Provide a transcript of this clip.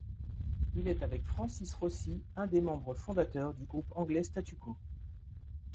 Il est avec Francis Rossi, un des membres fondateurs du groupe anglais Status Quo.